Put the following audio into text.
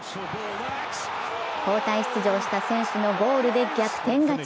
交代出場した選手のゴールで逆転勝ち。